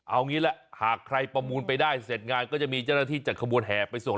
เอางี้แหละหากใครประมูลไปได้เสร็จงานก็จะมีเจ้าหน้าที่จัดขบวนแห่ไปส่ง